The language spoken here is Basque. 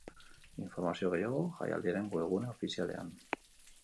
Informazio gehiago, jaialdiaren webgune ofizialean.